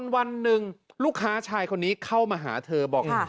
วันหนึ่งลูกค้าชายคนนี้เข้ามาหาเธอบอก